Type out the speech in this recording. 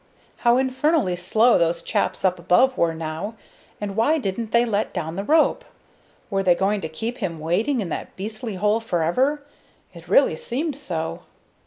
How infernally slow those chaps up above were now, and why didn't they let down the rope? Were they going to keep him waiting in that beastly hole forever? It really seemed so.